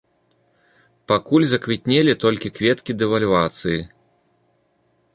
Пакуль заквітнелі толькі кветкі дэвальвацыі.